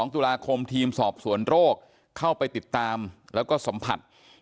๒ตุลาคมทีมสอบสวนโรคเข้าไปติดตามแล้วก็สัมผัส